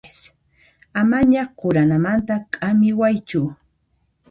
Amaña quranamanta k'amiwaychu.